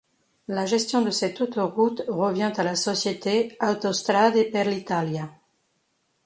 La gestion de cette autoroute revient à la société Autostrade per l'Italia.